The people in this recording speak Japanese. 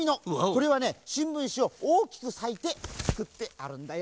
これはねしんぶんしをおおきくさいてつくってあるんだよ。